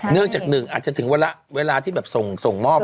เนื่องจากหนึ่งอาจจะถึงเวลาที่แบบส่งมอบ